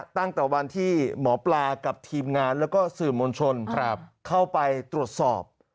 ตั้งแต่วันที่หมอปลากับทีมงานแล้วก็สื่อมวลชนเข้าไปตรวจสอบ